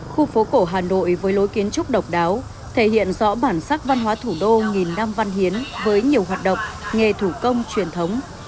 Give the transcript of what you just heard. khu phố cổ hà nội với lối kiến trúc độc đáo thể hiện rõ bản sắc văn hóa thủ đô nghìn năm văn hiến với nhiều hoạt động nghề thủ công truyền thống